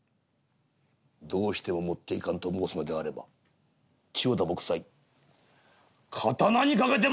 どうしても持っていかんと申すのであれば千代田卜斎刀にかけても」。